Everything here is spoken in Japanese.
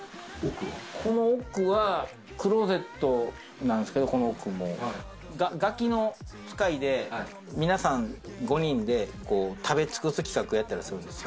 この奥はクローゼットなんですけど、『ガキの使い』で皆さん５人で、食べ尽くす企画やったりするんです。